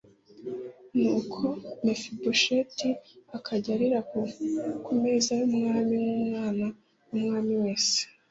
Nuko Mefibosheti akajya arira ku meza y’umwami nk’umwana w’umwami wese.